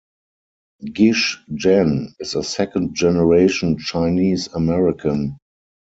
Gish Jen is a second generation Chinese American.